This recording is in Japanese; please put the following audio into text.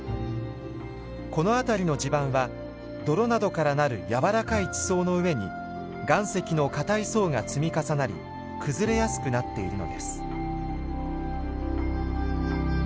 この辺りの地盤は泥などからなる軟らかい地層の上に岩石の硬い層が積み重なり崩れやすくなっているのです。